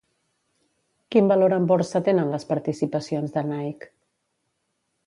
Quin valor en borsa tenen les participacions de Nike?